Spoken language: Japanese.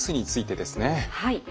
はい。